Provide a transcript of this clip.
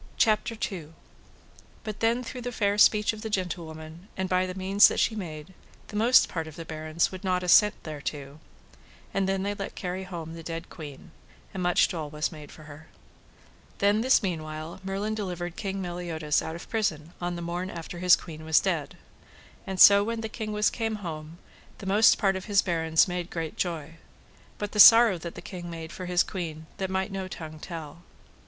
But then through the fair speech of the gentlewoman, and by the means that she made, the most part of the barons would not assent thereto. And then they let carry home the dead queen, and much dole was made for her. Then this meanwhile Merlin delivered King Meliodas out of prison on the morn after his queen was dead. And so when the king was come home the most part of the barons made great joy. But the sorrow that the king made for his queen that might no tongue tell.